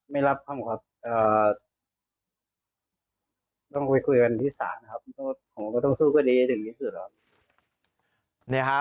ไม่รับความออกอ่าต้องคุยกันที่สารนะครับต้องผมก็ต้องสู้กว่าดีจนกี่สุดแล้ว